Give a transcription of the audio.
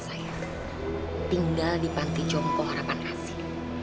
saya akan tinggal di panti jombong harapan rahasia